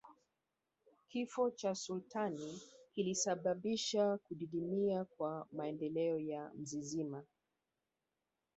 Kifo cha sultani kilisababisha kudidimia kwa maendeleo ya mzizima